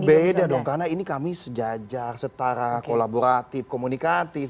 beda dong karena ini kami sejajar setara kolaboratif komunikatif